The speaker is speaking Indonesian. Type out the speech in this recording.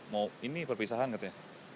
mau ini perpisahan katanya